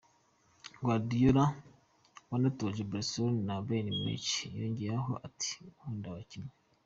Guardiola, wanatoje Barcelona na Bayern Munich, yongeyeho ati: "Nkunda aba bakinnyi".